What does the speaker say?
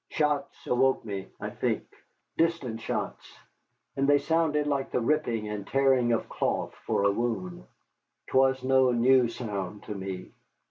Shots awoke me, I think, distant shots. And they sounded like the ripping and tearing of cloth for a wound. 'Twas no new sound to me.